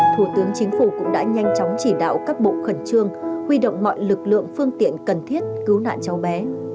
thủ tướng chính phủ cũng đã nhanh chóng chỉ đạo các bộ khẩn trương huy động mọi lực lượng phương tiện cần thiết cứu nạn cháu bé